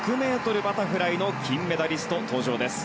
１００ｍバタフライの金メダリストが登場です。